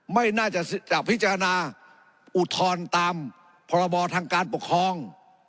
ไม่น่าจะจะพิจารณาอุทธรณ์ตามพรบทางการปกครอง